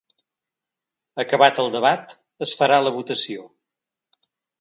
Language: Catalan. Acabat el debat, es farà la votació.